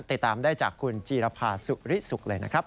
ติดตามได้จากคุณจีรภาสุริสุกเลยนะครับ